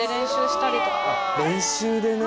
練習でね。